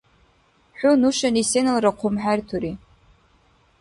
ХӀу нушани сеналра хъумхӀертури.